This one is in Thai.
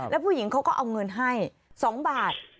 แล้วผู้หญิงเขาก็เอาเงินให้๒บาท